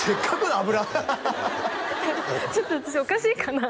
ダメちょっと私おかしいかな？